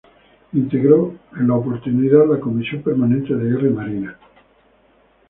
Integró en la oportunidad la Comisión permanente de Guerra y Marina.